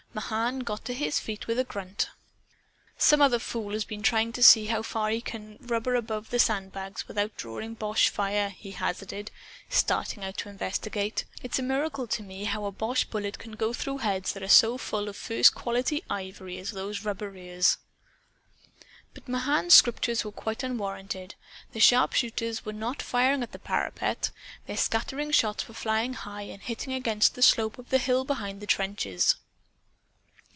Mahan got to his feet with a grunt. "Some other fool has been trying to see how far he can rubber above the sandbags without drawing boche fire," he hazarded, starting out to investigate. "It's a miracle to me how a boche bullet can go through heads that are so full of first quality ivory as those rubberers'." But Mahan's strictures were quite unwarranted. The sharpshooters were not firing at the parapet. Their scattering shots were flying high, and hitting against the slope of the hill behind the trenches.